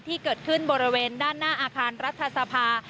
ที่เกิดขึ้นบริเวณด้านหน้าอาคารรัฐสภา